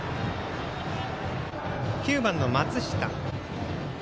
９番の松下。